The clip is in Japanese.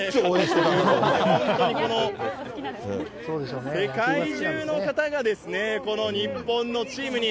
本当にこの世界中の方がですね、この日本のチームに。